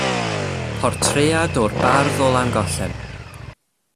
Portread o'r bardd o Langollen.